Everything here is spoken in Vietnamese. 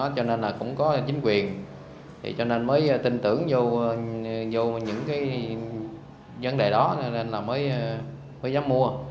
cho nên cũng có chính quyền cho nên mới tin tưởng vô những vấn đề đó mới dám mua